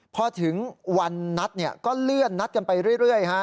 พอถึงวันนัดก็เลื่อนนัดกันไปเรื่อย